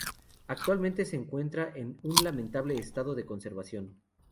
Actualmente se encuentran en un lamentable estado de conservación.